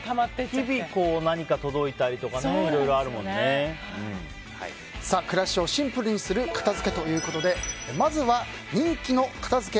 日々、何かが届いたりとか暮らしをシンプルにする片付けということでまずは人気の片づけ